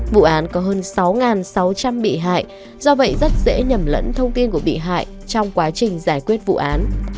vụ án có hơn sáu sáu trăm linh bị hại do vậy rất dễ nhầm lẫn thông tin của bị hại trong quá trình giải quyết vụ án